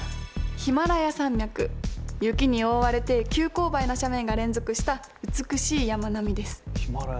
雪に覆われて急勾配な斜面が連続した美しい山並みです。